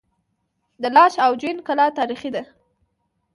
د لاش او جوین کلا تاریخي ده